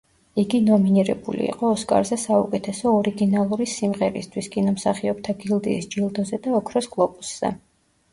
იგი ნომინირებული იყო ოსკარზე საუკეთესო ორიგინალური სიმღერისთვის, კინომსახიობთა გილდიის ჯილდოზე და ოქროს გლობუსზე.